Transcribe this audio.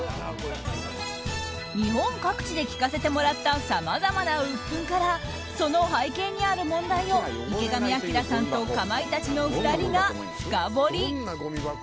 日本各地で聞かせてもらったさまざまなうっぷんからその背景にある問題を池上彰さんとかまいたちの２人が深掘り。